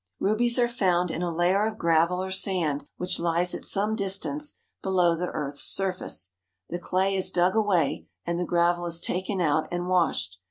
Rubies are found in a layer of gravel or sand which lies at some distance below the earth's surface. The clay is dug away, and the gravel is taken out and washed.